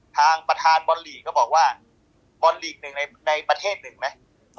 ทางประธานบอลลีกก็บอกว่าบอลลีกหนึ่งในประเทศหนึ่งไหม